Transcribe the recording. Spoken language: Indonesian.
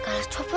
terima kasih mbak